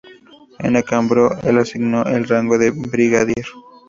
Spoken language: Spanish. En Acámbaro se le asignó el rango de brigadier.